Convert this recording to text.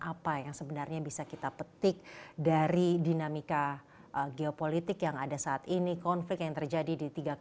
apa yang sebenarnya bisa kita petik dari dinamika geopolitik yang ada saat ini konflik yang terjadi di tiga kota